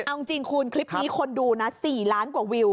เอาจริงคุณคลิปนี้คนดูนะ๔ล้านกว่าวิว